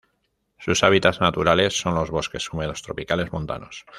Sus hábitats naturales son los bosques húmedos tropicales montanos.